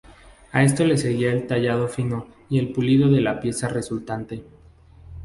A esto le seguía el tallado fino y el pulido de la pieza resultante.